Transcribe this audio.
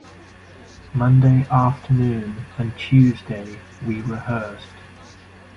Monday afternoon and Tuesday we rehearsed.